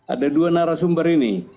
ada dua narasumber ini